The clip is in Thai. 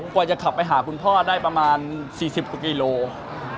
กว่าจะขับไปหาคุณพ่อได้ประมาณ๔๐กว่ากิโลกรัม